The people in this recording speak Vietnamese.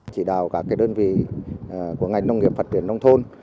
chỉ đào các đơn vị của ngành nông nghiệp phát triển nông thôn